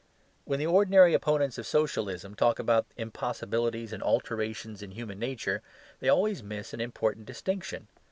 When the ordinary opponents of Socialism talk about impossibilities and alterations in human nature they always miss an important distinction.